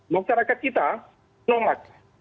masyarakat kita menolak